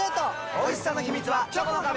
おいしさの秘密はチョコの壁！